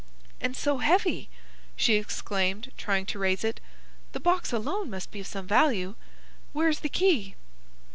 "And so heavy!" she exclaimed, trying to raise it. "The box alone must be of some value. Where is the key?"